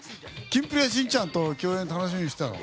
キンプリはしんちゃんとの共演楽しみにしてたの？